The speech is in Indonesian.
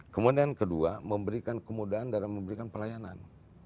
kemudian kedua memberikan kemudahan dalam memberikan pelayanan